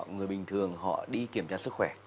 người bình thường họ đi kiểm tra sức khỏe